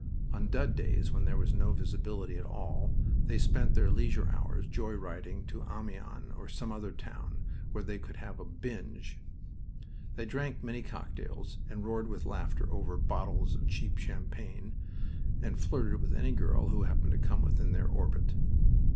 On "dud" days, when there was no visibility at all, they spent their leisure hours joy riding to Amiens or some other town where they could have a "binge." They drank many cocktails and roared with laughter over, bottles of cheap champagne, and flirted with any girl who happened to come within their orbit.